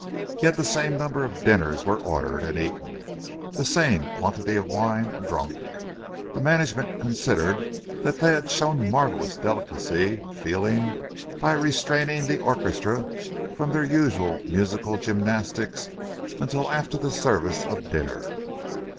Yet the same number of dinners were ordered and eaten, the same quantity of wine drunk. The management considered that they had shown marvellous delicacy of feeling by restraining the orchestra from their usual musical gymnastics until after the service of dinner.